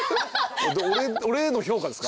俺への評価ですか？